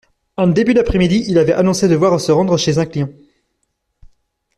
En début d’après-midi, il avait annoncé devoir se rendre chez un client.